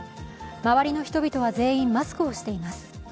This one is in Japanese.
周りの人々は全員マスクをしています。